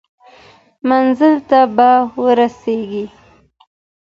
منزل ته به ورسیږئ.